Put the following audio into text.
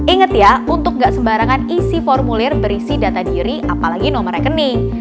ingat ya untuk gak sembarangan isi formulir berisi data diri apalagi nomor rekening